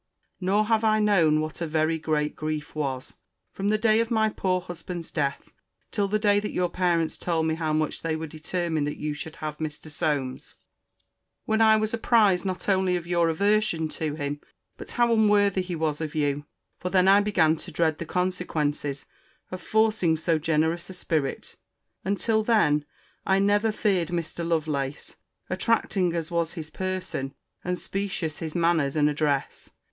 Nor have I known what a very great grief was, from the day of my poor husband's death till the day that your parents told me how much they were determined that you should have Mr. Solmes; when I was apprized not only of your aversion to him, but how unworthy he was of you: for then I began to dread the consequences of forcing so generous a spirit; and, till then, I never feared Mr. Lovelace, attracting as was his person, and specious his manners and address.